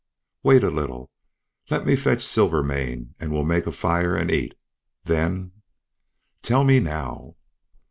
"Wait a little. Let me fetch Silvermane and we'll make a fire and eat. Then " "Tell me now."